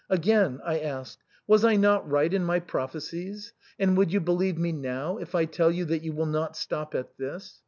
Again, I ask, was I not right in my prophecies ; and would you believe me now, if I tell you that you will not stop at this